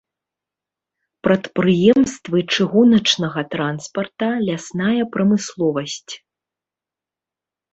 Прадпрыемствы чыгуначнага транспарта, лясная прамысловасць.